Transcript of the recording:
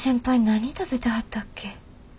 何食べてはったっけ？